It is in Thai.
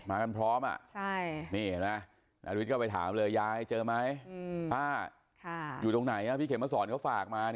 มากันพร้อมนี่เห็นไหมนาฬวิทย์ก็ไปถามเราย้ายเจอไหมป้าอยู่ตรงไหนพี่เขมสอนก็ฝากมา